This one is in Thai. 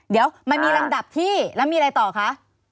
เดี๋ยวมันมีลำดับที่แล้วมีอะไรต่อคะ